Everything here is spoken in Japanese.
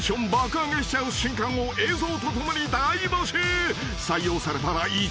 上げしちゃう瞬間を映像と共に大募集］